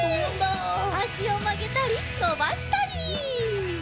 あしをまげたりのばしたり！